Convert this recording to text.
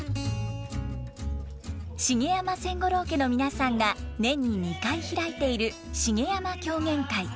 茂山千五郎家の皆さんが年に２回開いている茂山狂言会。